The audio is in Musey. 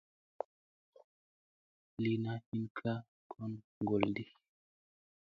Lina hin ka kon ŋgolɗi.